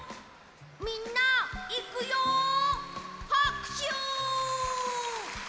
みんないくよ！はくしゅ！